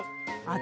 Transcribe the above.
あ！